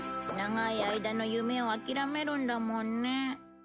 長い間の夢を諦めるんだもんね。